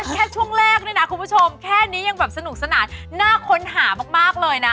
แค่ช่วงแรกนี่นะคุณผู้ชมแค่นี้ยังแบบสนุกสนานน่าค้นหามากเลยนะ